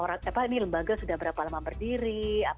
apa ini lembaga sudah berapa lama berdiri